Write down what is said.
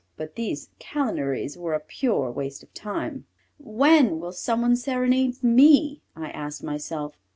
But these calineries were a pure waste of time. "When will some one serenade me?" I asked myself.